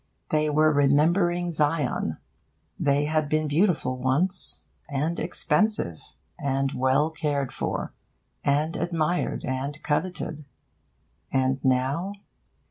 They were remembering Zion. They had been beautiful once, and expensive, and well cared for, and admired, and coveted. And now...